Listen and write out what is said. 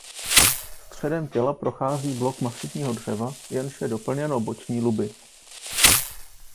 Středem těla prochází blok masivního dřeva jenž je doplněn o boční luby.